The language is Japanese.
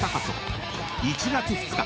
［１月２日。